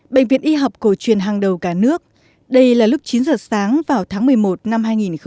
bệnh viện y học cổ truyền hàng đầu cả nước đây là lúc chín giờ sáng vào tháng một mươi một năm hai nghìn một mươi chín